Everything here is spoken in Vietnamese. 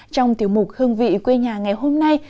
trong tiểu mục hương vị quê nhà ngày hôm nay